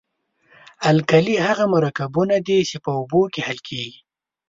القلي هغه مرکبونه دي چې په اوبو کې حل کیږي.